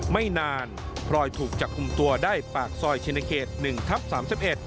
ไม่นานพลอยถูกจากกลุ่มตัวได้ปากซอยชนเขต๑ทับ๓๑